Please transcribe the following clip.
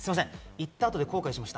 言った後で後悔しました。